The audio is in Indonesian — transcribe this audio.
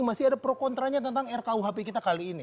masih ada pro kontranya tentang rkuhp kita kali ini